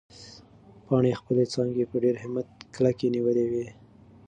پاڼې خپله څانګه په ډېر همت کلي نیولې وه.